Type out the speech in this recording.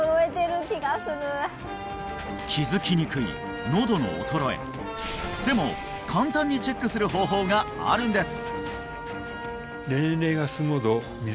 気づきにくいのどの衰えでも簡単にチェックする方法があるんです